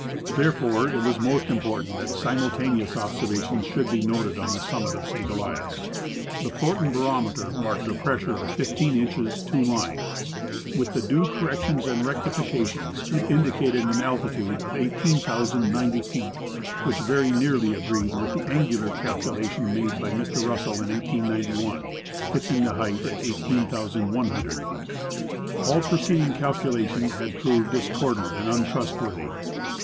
There fore it was most important that simultaneous observations should be noted on the summit of St. Elias. The Fortin barometer marked a pressure of 15 inches 2 lines. With the due corrections and rectifications, it indicated an altitude of 18,090 feet, which very nearly agreed with the angular calculation made by Mr. Russell in 1891, fixing the height at 18,100 feet. All preceding calculations had proved discordant and untrustworthy.